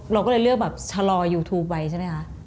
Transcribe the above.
เราก็เลยเลือกแบบชะลอยูทูปไว้ใช่ไหมคะ